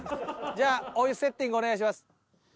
じゃあお湯セッティングお願いします。